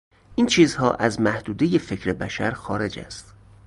این چیزها از محدودهی فکر بشر خارج است.